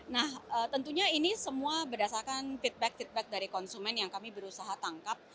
nah tentunya ini semua berdasarkan feedback feedback dari konsumen yang kami berusaha tangkap